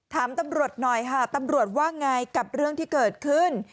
ถามตำรวจหน่อยค่ะตำรวจว่าไงกับเรื่องที่เกิดขึ้น